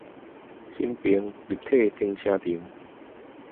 新平立體停車場